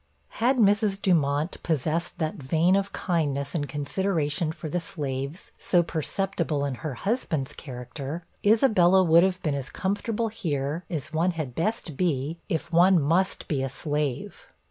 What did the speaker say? Had Mrs. Dumont possessed that vein of kindness and consideration for the slaves, so perceptible in her husband's character, Isabella would have been as comfortable here, as one had best be, if one must be a slave.